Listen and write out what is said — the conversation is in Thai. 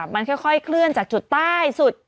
มันค่อยเคลื่อนจากจุดใต้สุด